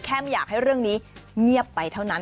ไม่อยากให้เรื่องนี้เงียบไปเท่านั้น